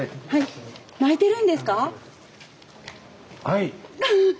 はい。